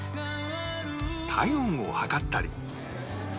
体温を測ったり